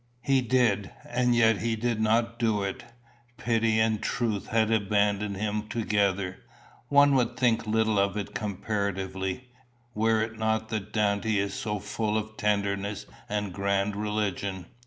"He did; and yet he did not do it. Pity and truth had abandoned him together. One would think little of it comparatively, were it not that Dante is so full of tenderness and grand religion.